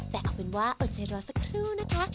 แต่เอาเป็นว่าอดใจรอสักครู่นะคะ